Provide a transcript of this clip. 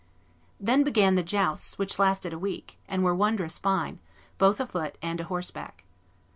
"Then began the jousts, which lasted a week, and were wondrous fine, both a foot and a horseback.